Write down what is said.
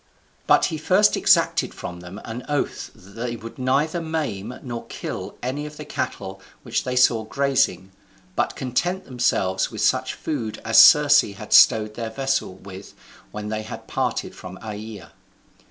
But he first exacted from them an oath that they would neither maim nor kill any of the cattle which they saw grazing, but content themselves with such food as Circe had stowed their vessel with when they parted from Aeaea.